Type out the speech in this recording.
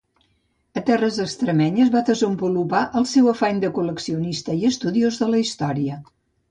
A terres extremenyes va desenvolupar el seu afany de col·leccionista i estudiós de la història.